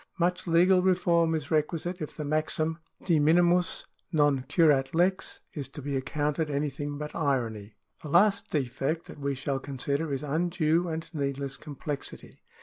Much legal reform is requisite if the maxim De minimis non curat lex is to be accounted anything but irony. The last defect that we shall consider is undue and need less complexity.